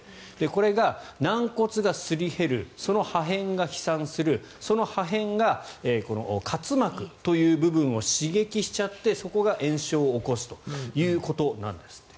これが軟骨がすり減るその破片が飛散するその破片がこの滑膜という部分を刺激しちゃってそこが炎症を起こすということなんですって。